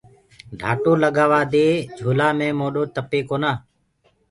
ڍآٽو لگآوآ دي جھولآ مي موڏو تپي ڪونآ۔